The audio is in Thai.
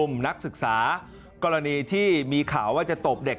นักศึกษากรณีที่มีข่าวว่าจะตบเด็ก